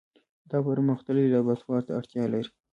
دا پرمختللي لابراتوار ته اړتیا لري.